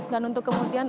dan untuk kemudian